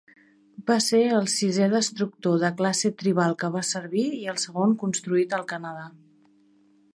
Va ser el sisè destructor de classe tribal que va servir i el segon construït al Canadà.